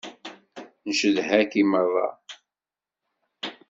Ncedha-k i meṛṛa.